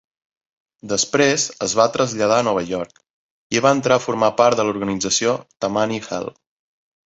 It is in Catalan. Després es va traslladar a Nova York i va entrar a formar part de l'organització Tammany Hall.